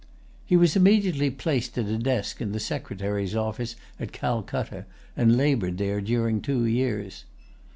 He was immediately placed at a desk in the Secretary's office at Calcutta, and labored there during two years.